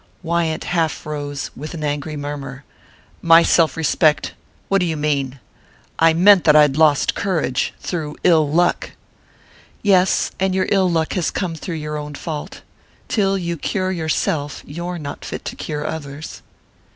Wyant half rose, with an angry murmur. "My self respect? What do you mean? I meant that I'd lost courage through ill luck " "Yes; and your ill luck has come through your own fault. Till you cure yourself you're not fit to cure others."